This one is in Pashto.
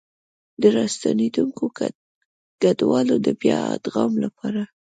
د راستنېدونکو کډوالو د بيا ادغام لپاره